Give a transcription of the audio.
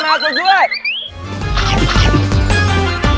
สวัสดีครับ